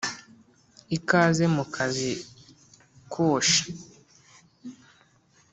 ikaze mu akazi koshe